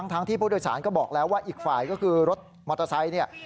ทั้งที่ผู้โดยสารก็บอกแล้วว่าอีกฝ่ายก็คือรถมอเตอร์ไซค์เนี่ย